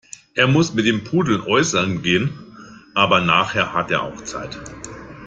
Er muss mit dem Pudel äußerln gehen, aber nachher hat er auch Zeit.